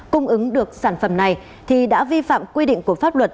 cung ứng được sản phẩm này thì đã vi phạm quy định của pháp luật